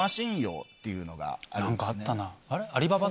っていうのがあるんですね。